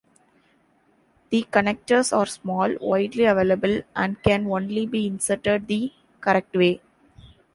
The connectors are small, widely available, and can only be inserted the "correct way".